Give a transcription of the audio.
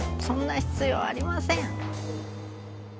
「そんな必要ありません！」。